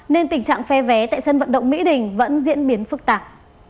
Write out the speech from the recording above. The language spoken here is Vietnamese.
nên tình trạng phe vé tại sân vận động mỹ đình vẫn diễn biến phức tạp